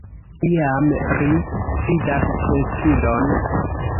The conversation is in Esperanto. Iam, ri vidas testudon.